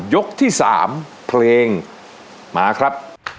ยกที่๓เพลงมาครับ